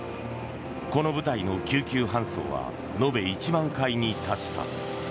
この部隊の救急搬送は延べ１万回に達した。